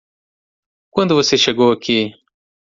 Quando você chegou aqui?